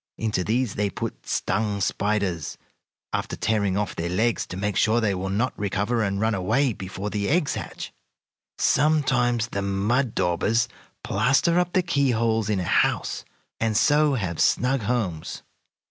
Into these they put stung spiders, after tearing off their legs to make sure they will not recover and run away before the eggs hatch. Sometimes the mud daubers plaster up the keyholes in a house, and so have snug homes.